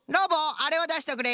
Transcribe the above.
あれをだしとくれ。